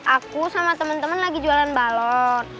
aku sama temen temen lagi jualan balon